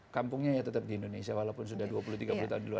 kampungnya ya tetap di indonesia walaupun sudah dua puluh tiga puluh tahun